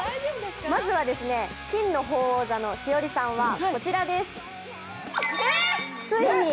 まずは金の鳳凰座の栞里さんはこちらです。